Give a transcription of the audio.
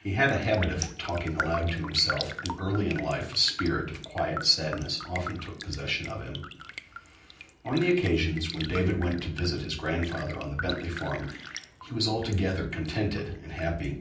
He had a habit of talking aloud to himself, and early in life a spirit of quiet sadness often took possession of him. On the occasions when David went to visit his grandfather on the Bentley farm, he was altogether contented and happy.